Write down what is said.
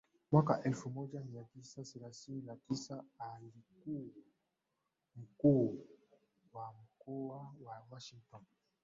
mwaka elfu moja mia tisa themanini na tisa alikuw mkuu wa mkoa wa Washington